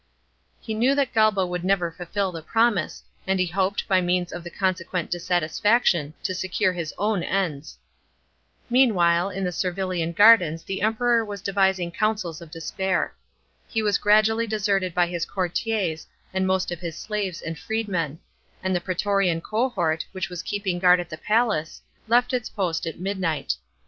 He knew that Galba would never fulfil the promise, and he hoped, by means of the consequent dissatisfaction, to secure his own ends. Meanwhile, in the Servilian gardens the Emperor was devising counsels of despair. He was gradually deserted by his courtiers and most of his slaves and freedmen ; and the praetorian cohort, which was keeping guard at the palace, left its post at midnight.